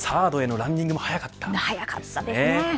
サードへのランニングも速かったですね。